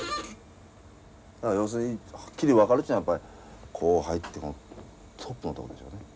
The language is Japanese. だから要するにはっきり分かるっちゅうのはやっぱりこう入ってトップのとこでしょうね。